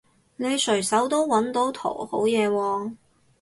你隨手都搵到圖好嘢喎